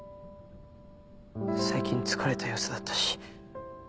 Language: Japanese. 最近疲れた様子だったし。